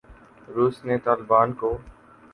روس نے طالبان کو